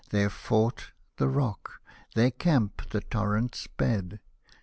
Their fort the rock, their camp the torrent's bed.